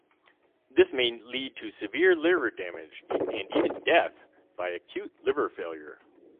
This may lead to severe liver damage and even death by acute liver failure.